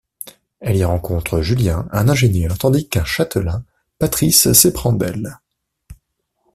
Elle y rencontre Julien, un ingénieur, tandis qu'un châtelain, Patrice, s'éprend d'elle.